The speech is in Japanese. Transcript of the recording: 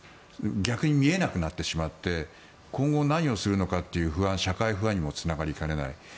逆に見えなくなってしまって今後、何をするのかという社会不安にもつながりかねない。